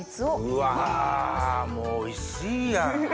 うわもうおいしいやん。